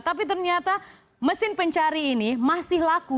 tapi ternyata mesin pencari ini masih laku